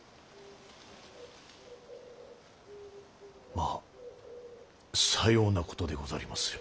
まぁさようなことでございますれば。